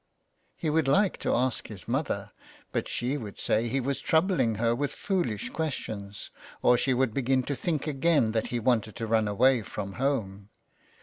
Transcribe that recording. He would like to ask his mother, but she would say he was troubling her with foolish questions, or she would begin to think again that he wanted to run away from home.